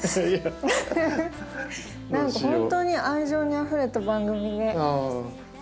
何か本当に愛情にあふれた番組で。